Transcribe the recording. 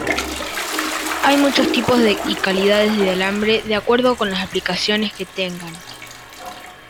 Hay muchos tipos y calidades de alambre de acuerdo con las aplicaciones que tengan.